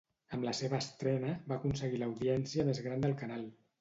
Amb la seva estrena, va aconseguir l'audiència més gran del canal.